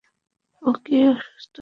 ও কি অসুস্থ নাকি?